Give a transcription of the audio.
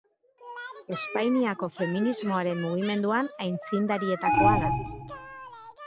Espainiako feminismoaren mugimenduan aitzindarietakoa da.